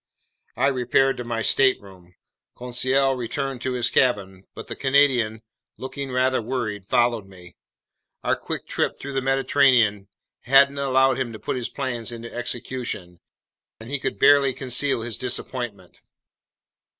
I repaired to my stateroom. Conseil returned to his cabin; but the Canadian, looking rather worried, followed me. Our quick trip through the Mediterranean hadn't allowed him to put his plans into execution, and he could barely conceal his disappointment.